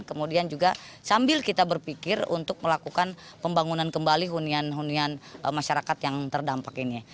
kemudian juga sambil kita berpikir untuk melakukan pembangunan kembali hunian hunian masyarakat yang terdampak ini